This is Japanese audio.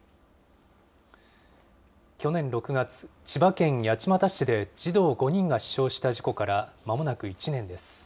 去年６月、千葉県八街市で児童５人が死傷した事故からまもなく１年です。